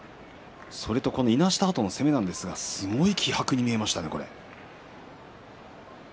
いなしたあとの攻めですがすごい気迫に見えましたね。